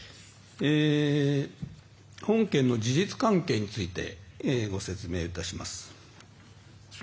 本件の事実関係についてご説明します。